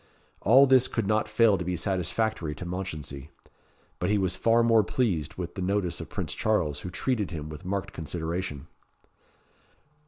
All this could not fail to be satisfactory to Mounchensey; but he was far more pleased with the notice of Prince Charles, who treated him with marked consideration.